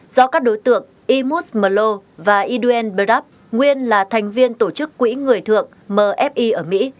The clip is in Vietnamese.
do các đối tượng imus mello và edwin burdap nguyên là thành viên tổ chức quỹ người thượng mfi ở mỹ